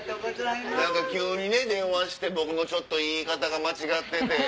何か急に電話して僕の言い方が間違ってて。